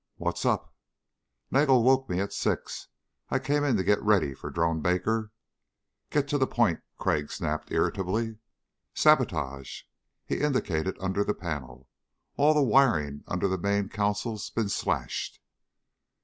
"What's up?" "Nagel woke me at six. I came in to get ready for Drone Baker ...." "Get to the point," Crag snapped irritably. "Sabotage." He indicated under the panel. "All the wiring under the main console's been slashed."